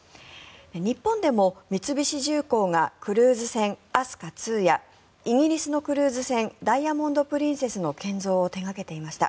日本でも三菱重工がクルーズ船「飛鳥２」やイギリスのクルーズ船「ダイヤモンド・プリンセス」の建造を手掛けていました。